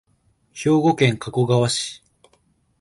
兵庫県加古川市